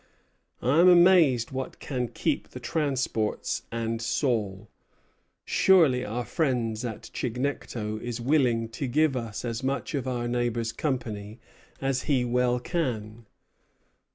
"I am amazed what can keep the transports and Saul. Surely our friend at Chignecto is willing to give us as much of our neighbors' company as he well can."